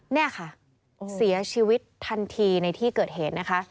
นี่ค่ะเสียชีวิตทันทีในที่เกิดเหตุนะคะ